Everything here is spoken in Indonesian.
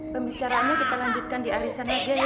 pembicaraannya kita lanjutkan di arisan aja ya